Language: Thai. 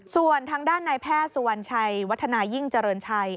ส่วนทางด้านนายแพทย์สุวรรณชัยวัฒนายิ่งเจริญชัย